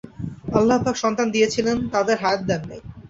আল্লাহপাক সন্তান দিয়েছিলেন, তাদের হায়াত দেন নাই।